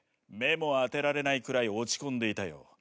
目も当てられないくらい落ち込んでいたよ。